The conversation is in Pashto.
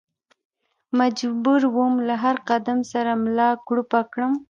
مجبور ووم له هر قدم سره ملا کړوپه کړم.